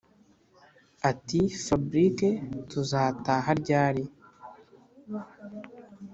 ati”fabric tuzataha ryari”